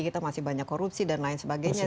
kita masih banyak korupsi dan lain sebagainya